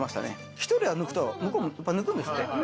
１人抜くと向こうも抜くんですって。